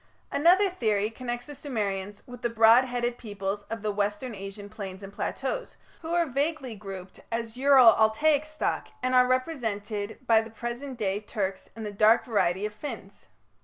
Another theory connects the Sumerians with the broad headed peoples of the Western Asian plains and plateaus, who are vaguely grouped as Ural Altaic stock and are represented by the present day Turks and the dark variety of Finns.